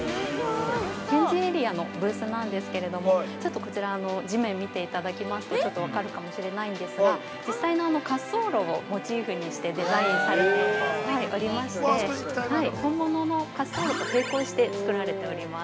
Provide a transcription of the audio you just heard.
展示エリアのブースなんですけれどもちょっとこちら地面を見ていただきますとちょっと分かるかもしれないんですが実際の滑走路をモチーフにしてデザインされておりまして本物の滑走路と並行して作られております。